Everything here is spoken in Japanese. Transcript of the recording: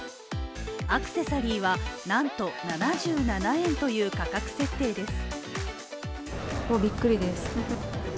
アクセサリーはなんと７７円という価格設定です。